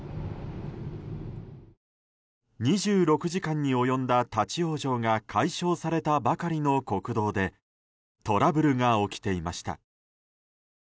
２６時間に及んだ立ち往生が解消されたばかりの国道でトラブルが起きていました。